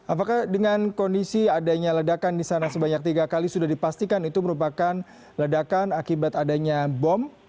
apakah dengan kondisi adanya ledakan di sana sebanyak tiga kali sudah dipastikan itu merupakan ledakan akibat adanya bom